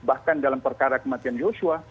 bahkan dalam perkara kematian yosua